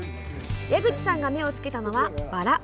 矢口さんが目を付けたのはバラ。